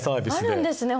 あるんですね